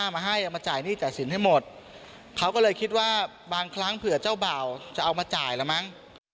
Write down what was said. มาให้เอามาจ่ายหนี้จ่ายสินให้หมดเขาก็เลยคิดว่าบางครั้งเผื่อเจ้าบ่าวจะเอามาจ่ายแล้วมั้ง